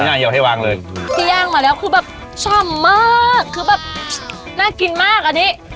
ง่ายยาวให้วางเลยที่ย่างมาแล้วคือแบบฉ่ำมากคือแบบน่ากินมากอันนี้